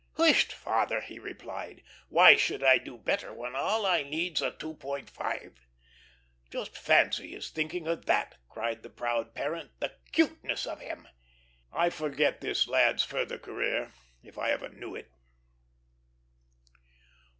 'Whisht, father,' he replied, 'why should I do better, when all I need's a 2.5?' Just fancy his thinking of that!" cried the proud parent. "The 'cuteness of him?" I forget this lad's further career, if I ever knew it.